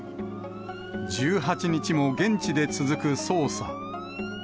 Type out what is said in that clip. １８日も現地で続く捜査。